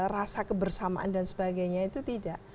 rasa kebersamaan dan sebagainya itu tidak